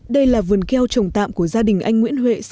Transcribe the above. đây là vườn keo trồng tạm của gia đình anh nguyễn huệ